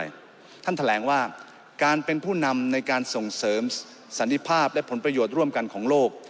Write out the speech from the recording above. ท่านแถลงว่าการเป็นผู้นำในการส่งเสริมสันติภาพและผลประโยชน์ร่วมกันของโลก